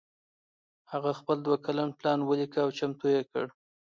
هغه خپل دوه کلن پلان وليکه او چمتو يې کړ.